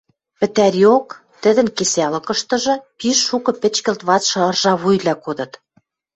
Пӹтӓриок, тӹдӹн кесӓлыкыштыжы пиш шукы пӹчкӹлт вацшы ыржа вуйвлӓ кодыт.